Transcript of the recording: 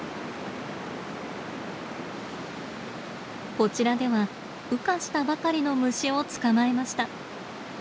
こちらでは羽化したばかりの虫を捕まえました。